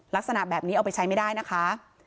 ลักษณะแบบนี้เอาไปใช้ไม่ได้นะคะ